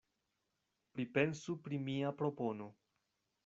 Pripensu pri mia propono.